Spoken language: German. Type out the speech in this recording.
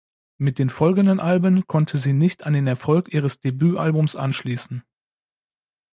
Mit den folgenden Alben konnte sie nicht an den Erfolg ihres Debütalbums anschließen.